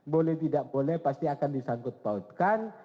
boleh tidak boleh pasti akan disangkut pautkan